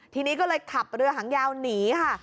ทีนี้ก็เลยขับเรือหางยาวหนีค่ะ